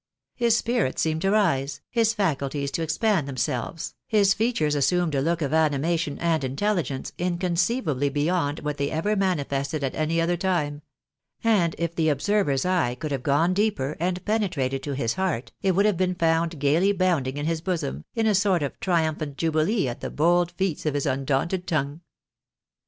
His spirits seemed to rise, his faculties to expand them selves, his features assumed a look of animation and inteUigence inconceivably beyond what they ever manifested at any other time; and if the observer's eye could have gone deeper and penetrated to Ms heart, it would have been found gaily bounding in his bosom, in a sort of triumphant jubilee at the bold feats of his undaunted tongue.